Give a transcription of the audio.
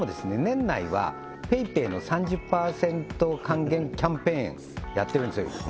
年内はＰａｙＰａｙの３０％還元キャンペーンやってるんですよ